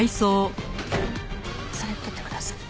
それ取ってください。